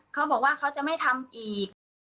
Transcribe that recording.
เขาบอกว่าเขาจะไม่ทำอีก